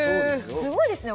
すごいですね